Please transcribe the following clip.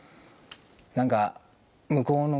何か。